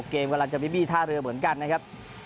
กำลังจะบีบี้ท่าเรือเหมือนกันนะครับ